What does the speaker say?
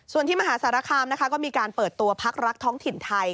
ส่วนที่มหาสารคามนะคะก็มีการเปิดตัวพักรักท้องถิ่นไทย